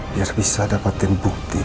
biar bisa dapetin bukti